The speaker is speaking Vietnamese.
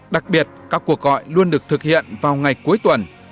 đặc biệt các cuộc gọi luôn được thực hiện vào ngày cuối tuần